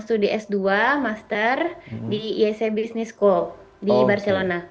saya sudah di s dua master di isa business school di barcelona